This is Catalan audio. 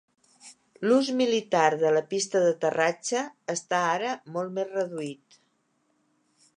L'ús militar de la pista d'aterratge està ara molt més reduït.